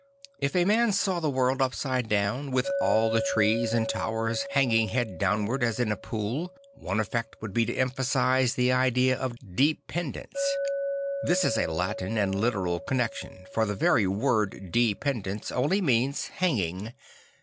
If a man saw the world upside down, with all the trees and towers hanging head downwards as in a pool, one effect would be to emphasise the idea of deþendence. There is a Latin and literal con nection; for the very word dependence only means hanging.